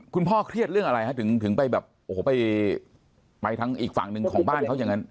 คุณพ่อเครียดเรื่องอะไรฮะถึงไปอีกฝั่งหนึ่งของบ้านเขาอย่างนั้น